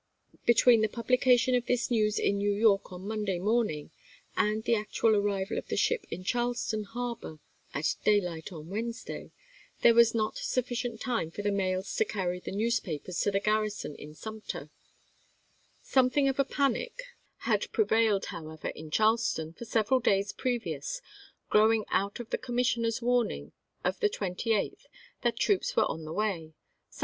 Between the publication of this news in New York on Monday morning and the actual arrival of the ship in Charleston harbor at daylight on Wednesday, there was not sufficient time for the mails to carry the newspapers to the garrison in Sumter. Something of a panic had ANDERSON'S TEUCE 103 prevailed, however, in Charleston, for several days chap. vm. previous, growing out of the commissioners' warn f »,,««,*, ,i New York mg of the 28th that troops were on the way — some "Evening ° r J '. Post," Jan.